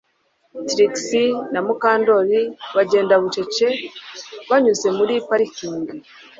Trix na Mukandoli bagenda bucece banyuze muri parike